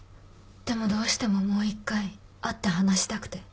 でもどうしてももう一回会って話したくて。